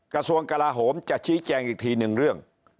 กระทรวงกลาโหมจะชี้แจงอีกทีหนึ่งเรื่อง